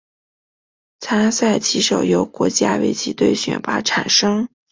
参赛棋手由国家围棋队选拔产生。